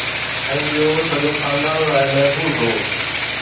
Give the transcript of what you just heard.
۽ اهو سڄو خاندان لاء محفوظ هو